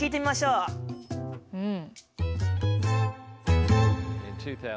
うん。